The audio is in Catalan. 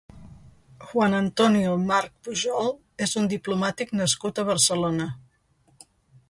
Juan Antonio March Pujol és un diplomàtic nascut a Barcelona.